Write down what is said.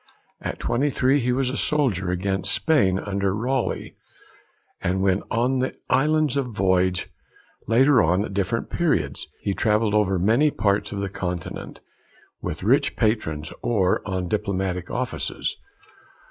At twenty three he was a soldier against Spain under Raleigh, and went on the 'Islands Voyage'; later on, at different periods, he travelled over many parts of the Continent, with rich patrons or on diplomatic offices.